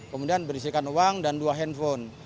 kemudian berisikan uang dan dua handphone